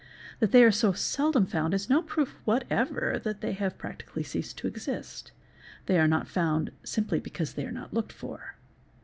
That they are so seldom found is no proof whatever that they have practically ceased to exist: they are not found simply because they are not looked for.